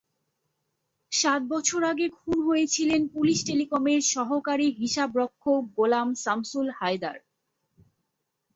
সাত বছর আগে খুন হয়েছিলেন পুলিশ টেলিকমের সহকারী হিসাবরক্ষক গোলাম শামসুল হায়দার।